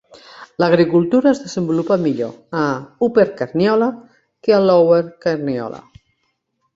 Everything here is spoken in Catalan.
L"agricultura es desenvolupa millor a Upper Carniola que a Lower Carniola.